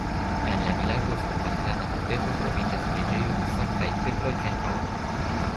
En la vilaĝo sur malgranda monteto troviĝas preĝejo de Sanktaj Petro kaj Paŭlo.